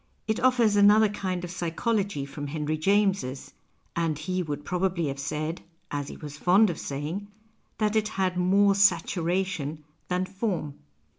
It offers another kind of psychology from Henry James's, and he would probably have said, as he was fond of saying, that it had more " saturation " than " form."'